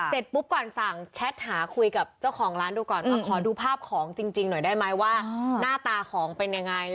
เสร็จปุ๊บก่อนสั่งแชทหาคุยกับเจ้าของร้านดูก่อนว่าขอดูภาพของจริงหน่อยได้ไหมว่าหน้าตาของเป็นยังไง